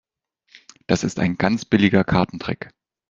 Das ist ein ganz billiger Kartentrick.